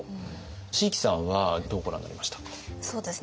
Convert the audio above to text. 椎木さんはどうご覧になりましたか？